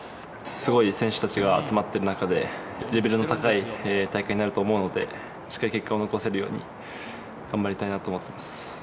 すごい選手たちが集まってる中で、レベルの高い大会になると思うので、しっかり結果を残せるように、頑張りたいなと思っています。